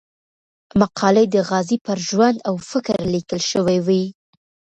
مقالې د غازي پر ژوند او فکر ليکل شوې وې.